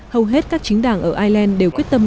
hầu hết các chính đảng ở ireland đều quyết tâm